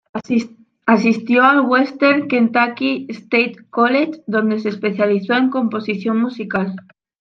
Asistió al Western Kentucky State College donde se especializó en composición musical.